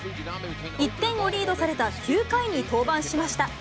１点をリードされた９回に登板しました。